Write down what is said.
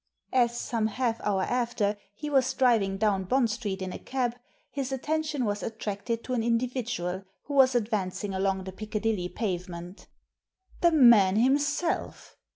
As, some half hour after, he was driving down Bond Street in a cab, his attention was attracted to an individual who was advancing along the Picca dilly pavement. "The man himself!